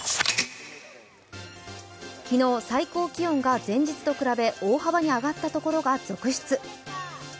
昨日、最高気温が前日に比べ、大幅に上がった所が続出。